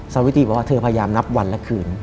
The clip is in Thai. สาวิตรีบอกว่าเธอพยายามนับวันและคืน